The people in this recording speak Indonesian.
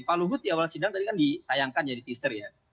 pak luhut di awal sidang tadi kan ditayangkan jadi teaser ya